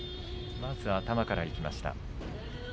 まず頭からいきました。